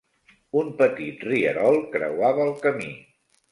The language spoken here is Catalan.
Un petit rierol creuava el camí.